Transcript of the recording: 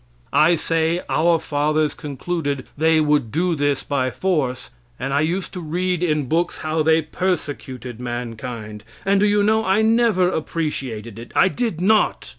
I say our fathers concluded they would do this by force, and I used to read in books how they persecuted mankind, and do you know I never appreciated it; I did not.